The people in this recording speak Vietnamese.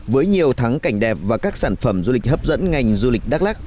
với nhiều thắng cảnh đẹp và các sản phẩm du lịch hấp dẫn ngành du lịch đắk lắc